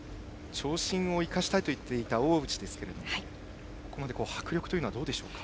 長身を生かしたいと言っていた大内ですがここまで迫力はどうでしょうか？